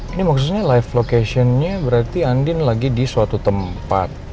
ini maksudnya life location nya berarti andin lagi di suatu tempat